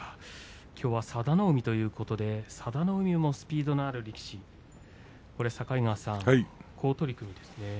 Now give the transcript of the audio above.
きょうは佐田の海ということで佐田の海もスピードのある力士境川さん、好取組ですね。